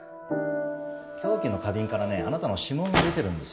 凶器の花瓶からあなたの指紋が出てる